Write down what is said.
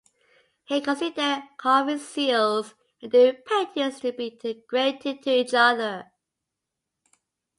He considered carving seals and doing paintings to be integrated to each other.